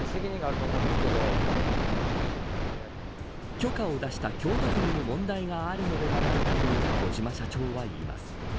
許可を出した京都府にも問題があるのではないかと小島社長は言います。